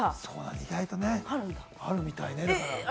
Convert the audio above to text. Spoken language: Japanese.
意外とあるみたいね。